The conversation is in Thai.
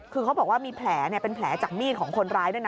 คือเขาบอกว่ามีแผลเป็นแผลจากมีดของคนร้ายด้วยนะ